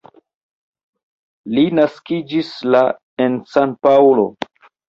Li naskiĝis la en San-Paŭlo.